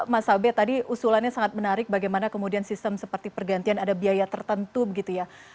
mas abe tadi usulannya sangat menarik bagaimana kemudian sistem seperti pergantian ada biaya tertentu begitu ya